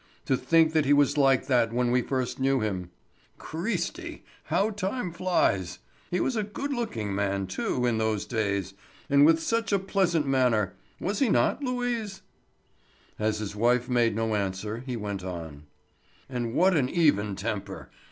To think that he was like that when we first knew him! Cristi! How time flies! He was a good looking man, too, in those days, and with such a pleasant manner—was not he, Louise?" As his wife made no answer he went on: "And what an even temper!